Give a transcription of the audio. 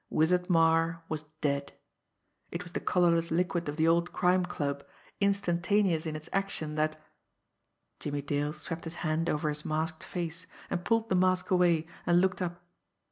Wizard Marre was dead. It was the colourless liquid of the old Crime Club, instantaneous in its action that Jimmie Dale swept his hand over his masked face, and pulled the mask away, and looked up.